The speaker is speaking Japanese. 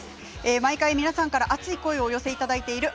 毎回、皆さんから熱い声をお寄せいただいている「＃